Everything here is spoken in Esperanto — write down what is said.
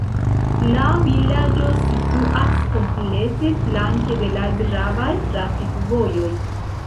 La vilaĝo situas komplete flanke de la gravaj trafikvojoj.